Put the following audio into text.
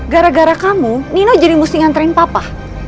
gara gara kamu nino jadi mesti nganterin papa